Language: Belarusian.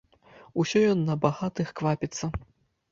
Усё ён на багатых квапіцца.